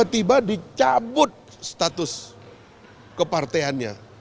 ini tiba tiba dicabut status kepartaiannya